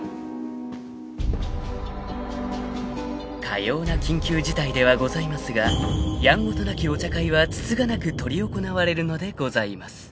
［かような緊急事態ではございますがやんごとなきお茶会はつつがなく執り行われるのでございます］